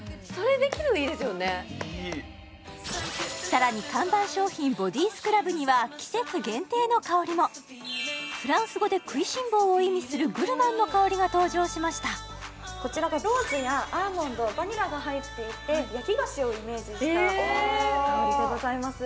さらに看板商品ボディスクラブには季節限定の香りもフランス語で食いしん坊を意味するグルマンの香りが登場しましたこちらはローズやアーモンドバニラが入っていて焼き菓子をイメージした香りでございます